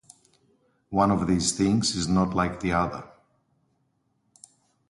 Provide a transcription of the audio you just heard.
One of these things is not like the other.